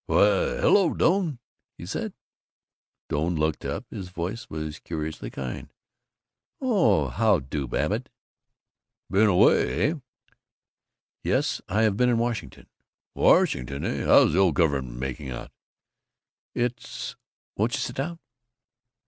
"Why, hello, Doane," he said. Doane looked up. His voice was curiously kind. "Oh! How do, Babbitt." "Been away, eh?" "Yes, I've been in Washington." "Washington, eh? How's the old Government making out?" "It's Won't you sit down?"